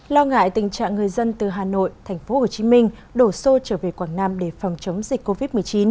lo ngại tình trạng người dân từ hà nội tp hcm đổ xô trở về quảng nam để phòng chống dịch covid một mươi chín